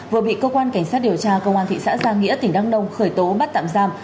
vừa bị cơ quan cảnh sát điều tra công an thị xã gia nghĩa tỉnh đăng nông khởi tố bắt tạm giam